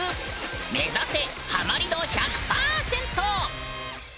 目指せハマり度１００％！